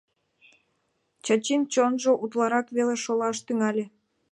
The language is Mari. Чачин чонжо утларак веле шолаш тӱҥале...